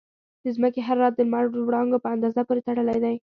د ځمکې حرارت د لمر د وړانګو په اندازه پورې تړلی دی.